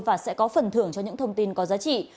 và sẽ có phần thưởng cho những thông tin có giá trị